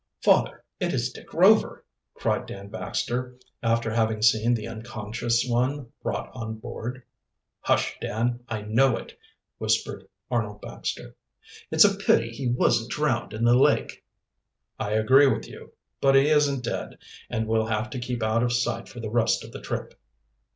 "Father, it is Dick Rover," cried Dan Baxter, after having seen the unconscious one brought on board. "Hush, Dan! I know it," whispered Arnold Baxter. "It's a pity he wasn't drowned in the lake." "I agree with you. But he isn't dead, and we'll have to keep out of sight for the rest of the trip."